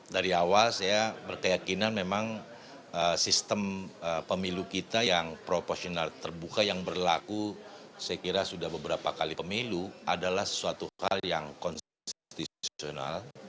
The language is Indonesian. dari awal saya berkeyakinan memang sistem pemilu kita yang proporsional terbuka yang berlaku saya kira sudah beberapa kali pemilu adalah sesuatu hal yang konstitusional